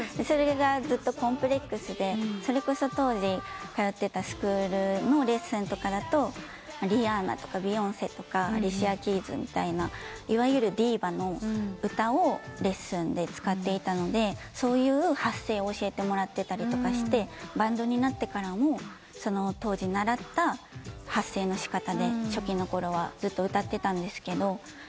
それがずっとコンプレックスでそれこそ当時はやってたスクールのレッスンとかだとリアーナとかビヨンセとかアリシア・キーズみたいないわゆるディーバの歌をレッスンで使っていたのでそういう発声を教えてもらってたりとかしてバンドになってからも当時習った発声のしかたで初期のころはずっと歌ってたんですけど。